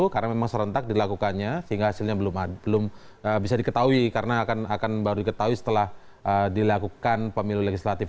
karena memang serentak dilakukannya sehingga hasilnya belum bisa diketahui karena akan baru diketahui setelah dilakukan pemilu legislatif